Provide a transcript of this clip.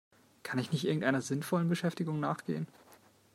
Kann ich nicht irgendeiner sinnvollen Beschäftigung nachgehen?